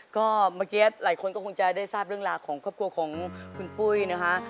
ก็เมื่อกี้หลายคนก็คงจะได้ทราบเรื่องราวของครอบครัวของคุณปุ้ยนะคะ